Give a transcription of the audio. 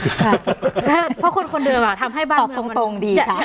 ค่ะเพราะคนคนเดิมอ่ะทำให้บ้านเมืองตอบตรงตรงดีค่ะ